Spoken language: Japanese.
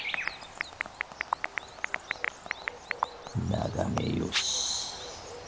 眺めよし。